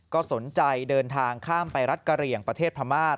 ก็สนใจเดินทางข้ามไปรัฐกะเหลี่ยงประเทศพม่า